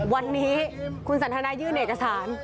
วันนี้คุณสันทนายื่นเอกสาร